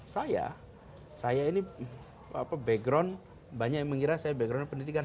saya saya ini background banyak yang mengira saya background pendidikan